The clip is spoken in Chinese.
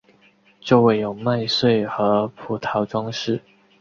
周围有麦穗和葡萄装饰。